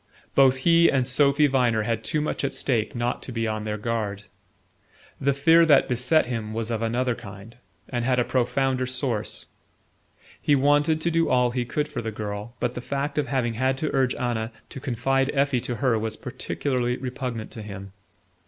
Both he and Sophy Viner had too much at stake not to be on their guard. The fear that beset him was of another kind, and had a profounder source. He wanted to do all he could for the girl, but the fact of having had to urge Anna to confide Effie to her was peculiarly repugnant to him.